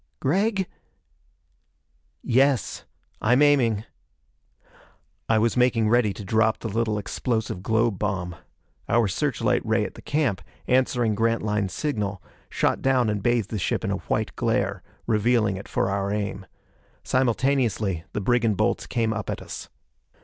"Gregg ?" "Yes. I'm aiming." I was making ready to drop the little explosive globe bomb. Our search light ray at the camp, answering Grantline's signal, shot down and bathed the ship in a white glare, revealing it for our aim. Simultaneously the brigand bolts came up at us.